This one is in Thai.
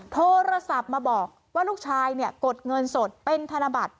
โทรศัพท์มาบอกว่าลูกชายกดเงินสดเป็นธนบัตร